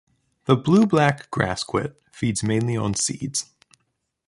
The blue-black grassquit feeds mainly on seeds.